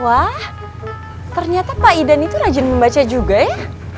wah ternyata pak idan itu rajin membaca juga ya